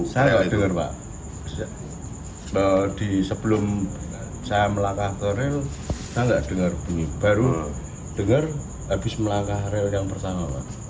saya nggak dengar pak sebelum saya melangkah ke rel kita nggak dengar bunyi baru dengar habis melangkah rel yang pertama pak